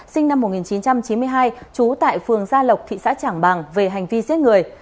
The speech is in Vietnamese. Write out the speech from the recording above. sinh năm một nghìn chín trăm chín mươi hai trú tại phường gia lộc thị xã trảng bàng về hành vi giết người